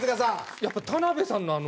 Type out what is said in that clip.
やっぱ田辺さんのあの。